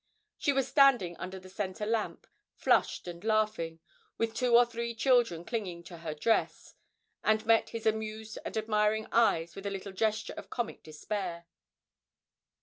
She was standing under the centre lamp, flushed and laughing, with two or three children clinging to her dress, and met his amused and admiring eyes with a little gesture of comic despair.